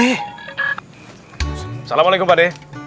assalamualaikum pak d